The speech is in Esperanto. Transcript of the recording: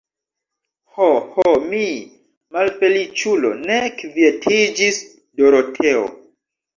Ho, ho, mi, malfeliĉulo, ne kvietiĝis Doroteo.